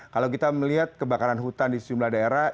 kalau kita melihat kebakaran hutan di sejumlah daerah